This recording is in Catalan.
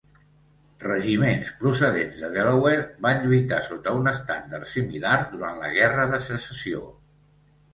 Regiments procedents de Delaware van lluitar sota un estendard similar durant la Guerra de Secessió.